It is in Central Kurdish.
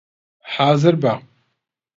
حازر بە!